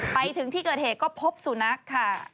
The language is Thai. ไปถึงที่เกิดเหตุก็พบสุนัขค่ะ